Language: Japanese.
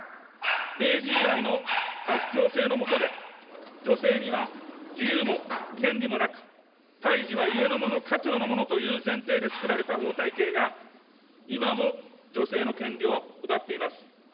明治以来の家父長制の下で、女性には自由も権利もなく、胎児は家のもの、家長のものという前提でつくられた法体系が、今も女性の権利を奪っています。